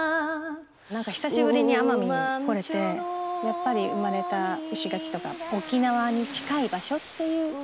久しぶりに奄美に来れてやっぱり生まれた石垣とか沖縄に近い場所っていう。